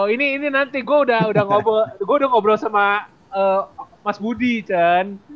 ini ini nanti gua udah udah ngobrol gua udah ngobrol sama mas budi kan